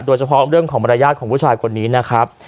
โดยเฉพาะเรื่องของมารยาทของผู้ชายคนนี้นะครับ